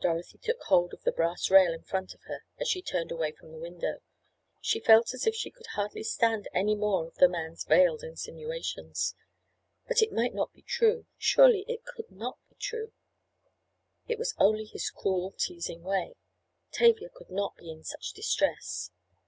Dorothy took hold of the brass rail in front of her as she turned away from the window. She felt as if she could hardly stand any more of the man's veiled insinuations. But it might not be true—surely it could not be true—it was only his cruel, teasing way. Tavia could not be in such distress.